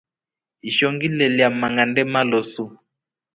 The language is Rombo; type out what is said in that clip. Ishoo nʼgielya mangʼande maloosu.